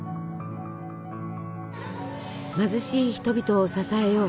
貧しい人々を支えよう。